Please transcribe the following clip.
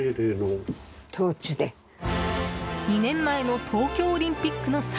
２年前の東京オリンピックの際